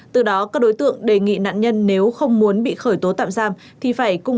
từ đó các đối tượng đề nghị nạn nhân nếu không muốn bị khởi tố tạm giam